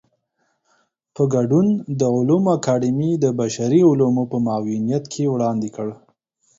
په ګډون د علومو اکاډمۍ د بشري علومو په معاونيت کې وړاندې کړ.